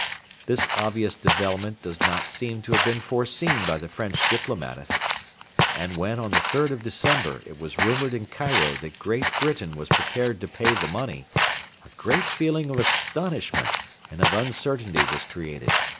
] This obvious development does not seem to have been foreseen by the French diplomatists, and when, on the 3rd of December, it was rumoured in Cairo that Great Britain was prepared to pay the money, a great feeling of astonishment and of uncertainty was created.